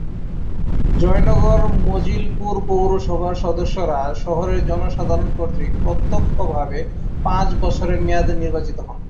জয়নগর মজিলপুর পৌরসভার সদস্যরা শহরের জনসাধারণ কর্তৃক প্রত্যক্ষভাবে পাঁচ বছরের মেয়াদে নির্বাচিত হন।